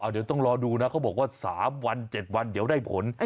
เดี๋ยวต้องรอดูนะเขาบอกว่า๓วัน๗วันเดี๋ยวได้ผล